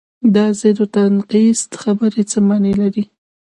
دا ضد و نقیض خبرې څه معنی لري؟